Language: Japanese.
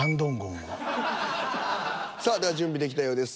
さあでは準備できたようです。